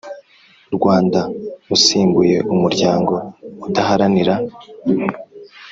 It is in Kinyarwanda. Rwanda usimbuye umuryango udaharanira